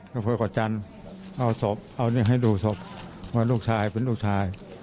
อำเภอก่อจันทร์เอาศพเอานี่ให้ดูศพว่าลูกชายเป็นลูกชาย